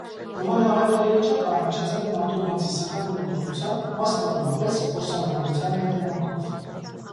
Նման աղետալի վիճակը առաջացել է մարդու բացասական ներգործության, մասնավորապես՝ որսագողության հետևանքով։